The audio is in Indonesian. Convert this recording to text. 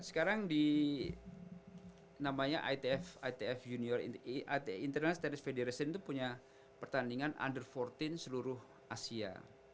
sekarang di namanya itf junior senit federation itu punya pertandingan under empat belas seluruh asia